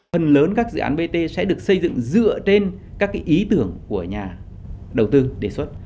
phần lớn các dự án bt sẽ được xây dựng dựa trên các ý tưởng của nhà đầu tư đề xuất